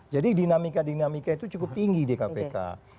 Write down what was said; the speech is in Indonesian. jadi dinamika dinamika itu cukup tinggi di kpk